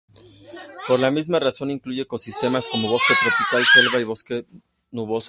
Por la misma razón incluye ecosistemas como bosque tropical, selva y bosque nuboso.